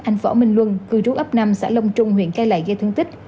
anh võ minh luân cư trú ấp năm xã long trung huyện cai lệ gây thương tích